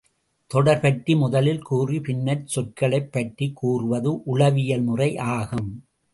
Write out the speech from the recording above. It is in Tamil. தொடர் பற்றி முதலில் கூறிப் பின்னர்ச் சொற்களைப் பற்றிக் கூறுவது உளவியல் முறை ஆகும்.